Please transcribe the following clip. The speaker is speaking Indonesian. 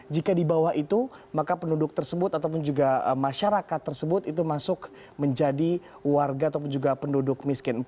jika di bawah itu maka penduduk tersebut ataupun juga masyarakat tersebut itu masuk menjadi warga ataupun juga penduduk miskin